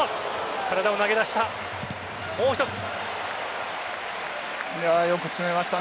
体を投げ出した。